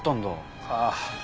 ああ。